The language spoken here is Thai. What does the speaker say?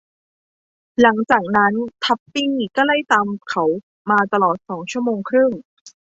หลังจากนั้น ทับปี้ก็ไล่ตามเขามาตลอดสองชั่วโมงครึ่ง